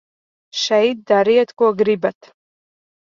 Šeit dariet, ko gribat.